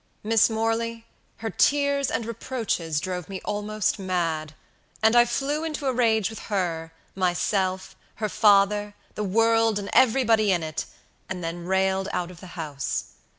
Miss Morley, her tears and reproaches drove me almost mad; and I flew into a rage with her, myself, her father, the world, and everybody in it, and then ran out of the house.